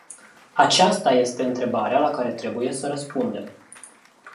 Aceasta este întrebarea la care trebuie să răspundem.